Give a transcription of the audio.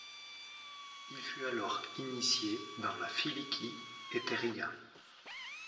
Il fut alors initié dans la Filikí Etería.